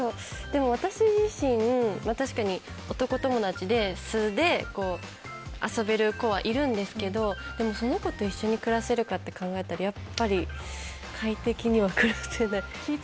でも私自身、確かに男友達で素で遊べる子はいるんですけどでも、その子と一緒に暮らせるかとなるとやっぱり快適には暮らせない。